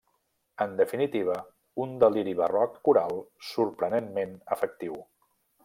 En definitiva, un deliri barroc coral sorprenentment efectiu.